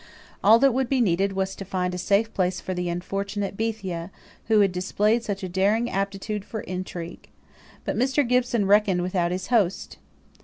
All that would be needed was to find a safe place for the unfortunate Bethia, who had displayed such a daring aptitude for intrigue. But Mr. Gibson reckoned without his host.